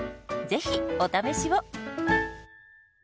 ぜひお試しを！